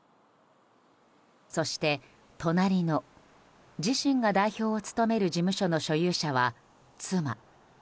そして隣の、自身が代表を務める事務所の所有者は妻。